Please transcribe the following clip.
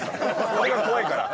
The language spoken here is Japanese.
それが怖いから。